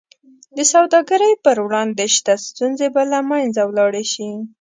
د سوداګرۍ پر وړاندې شته ستونزې به له منځه ولاړې شي.